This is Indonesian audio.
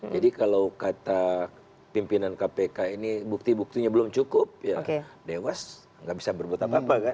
jadi kalau kata pimpinan kpk ini bukti buktinya belum cukup ya dewas nggak bisa berbuta apa apa kan